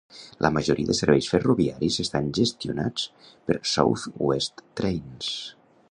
La majoria de serveis ferroviaris estan gestionats per South West Trains.